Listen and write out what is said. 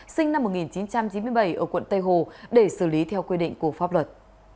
sinh năm một nghìn chín trăm chín mươi bảy ở quận tây hồ để xử lý theo quy định của pháp luật